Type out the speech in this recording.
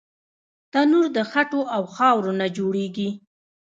تنور د خټو او خاورو نه جوړېږي